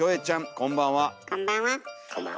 こんばんは。